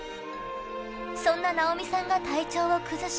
そんな直美さんが体調を崩し